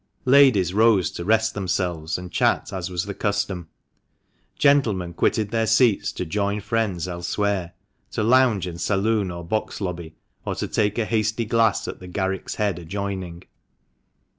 Ladies rose to rest themselves and chat, as was the custom. Gentlemen quitted their seats to join friends elsewhere, to lounge in saloon or box lobby, or to take a hasty glass at the " Garrick's Head " adjoining.